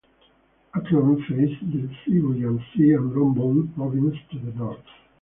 Aklan faces the Sibuyan Sea and Romblon province to the north.